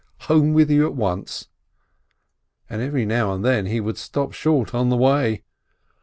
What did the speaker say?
Home with you at once!" and every now and then he would stop short on the way.